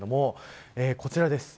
こちらです。